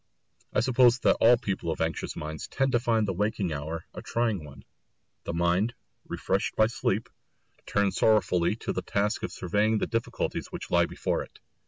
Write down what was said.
I suppose that all people of anxious minds tend to find the waking hour a trying one. The mind, refreshed by sleep, turns sorrowfully to the task of surveying the difficulties which lie before it.